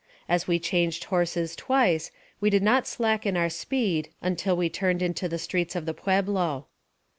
As we changed horses twice, we did not slacken our speed until we turned into the streets of the Pueblo.